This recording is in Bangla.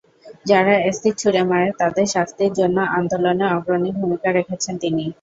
যারা অ্যাসিড ছুড়ে মারে তাদের শাস্তির জন্য আন্দোলনে অগ্রণী ভূমিকা রেখেছেন তিনি।